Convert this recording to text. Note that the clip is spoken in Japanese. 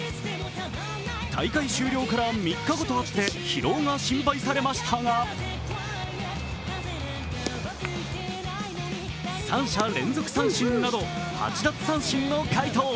大会終了から３日後とあって疲労が心配されましたが三者連続三振など８奪三振の好投